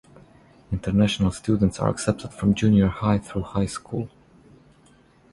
International students are accepted from junior high through high school.